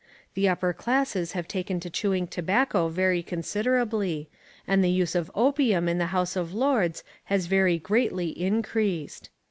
The upper classes have taken to chewing tobacco very considerably, and the use of opium in the House of Lords has very greatly increased.